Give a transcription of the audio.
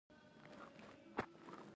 چمتووالی پر نفس د باور لامل کېږي.